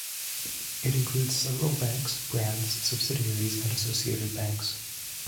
It includes several banks, brands, subsidiaries and associated banks.